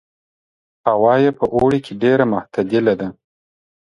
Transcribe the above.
هوا یې په اوړي کې ډېره معتدله ده.